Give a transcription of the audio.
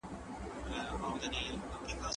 کېدای سي لوستل ستړې وي؟!